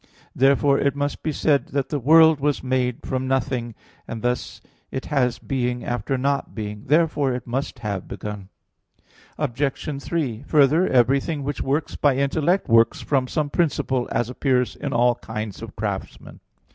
Therefore it must be said that the world was made from nothing; and thus it has being after not being. Therefore it must have begun. Obj. 3: Further, everything which works by intellect works from some principle, as appears in all kinds of craftsmen.